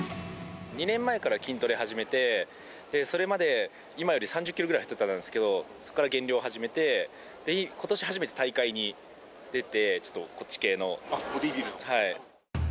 ２年前から筋トレ始めて、それまで今より３０キロぐらい太ってたんですけど、そこから減量始めて、ことし初めて大会に出て、ちょっとこっち系あっ、はい。